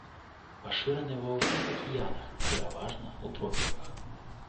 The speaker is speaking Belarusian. Пашыраны ва ўсіх акіянах, пераважна ў тропіках.